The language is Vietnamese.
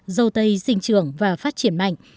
dâu tây sinh trưởng và phát triển mạnh